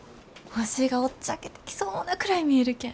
星がおっちゃけてきそうなくらい見えるけん。